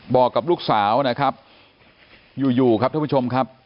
บอกกับลูกสาวนะครับอยู่อยู่ครับท่านผู้ชมครับ